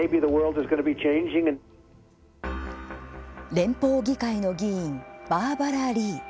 連邦議会の議員、バーバラ・リー。